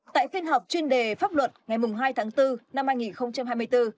tại phiên họp chuyên đề pháp luật ngày hai tháng bốn năm hai nghìn hai mươi bốn